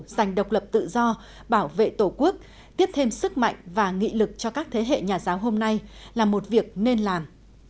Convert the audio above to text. dành độc lập tự do bảo vệ tổ quốc tiếp thêm sức mạnh và nghị lực cho các thế hệ nhà giáo hôm nay là một việc nên làm